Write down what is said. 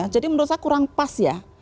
jadi menurut saya kurang pas ya